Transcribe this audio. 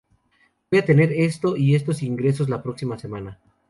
Voy a tener esto y estos ingresos la próxima semana'.